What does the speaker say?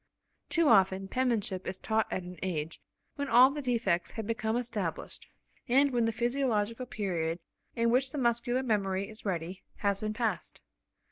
Too often, penmanship is taught at an age when all the defects have become established, and when the physiological period in which the muscular memory is ready, has been passed.